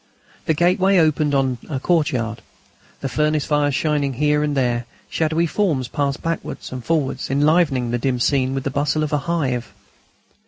The gateway opened on a courtyard, with furnace fires shining here and there. Shadowy forms passed backwards and forwards, enlivening the dim scene with the bustle of a hive.